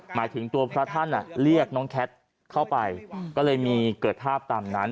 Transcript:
หมายถึงตัวพระท่านเรียกน้องแคทเข้าไปก็เลยมีเกิดภาพตามนั้น